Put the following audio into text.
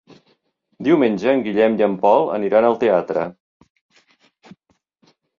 Diumenge en Guillem i en Pol aniran al teatre.